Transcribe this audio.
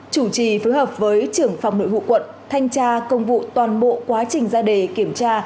chủ trì phối hợp với trưởng phòng nội vụ quận thanh tra công vụ toàn bộ quá trình ra đề kiểm tra